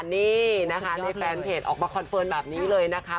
นี่นะคะในแฟนเพจออกมาคอนเฟิร์นแบบนี้เลยนะคะ